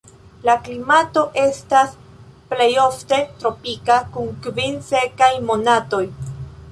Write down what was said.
La klimato estas plejofte tropika kun kvin sekaj monatoj.